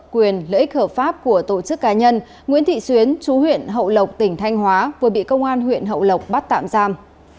quyền lợi ích hợp pháp của tổ chức cá nhân nguyễn thị xuyến chú huyện hậu lộc tỉnh thanh hóa vừa bị công an huyện hậu lộc bắt tạm giam